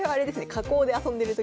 加工で遊んでる時。